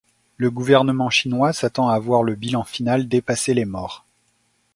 Le gouvernement chinois s'attend à voir le bilan final dépasser les morts.